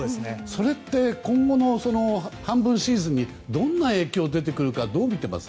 それって、今後の残り半分のシーズンにどれだけ影響が出てくるかどう見ています？